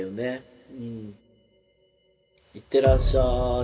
いってらっしゃい！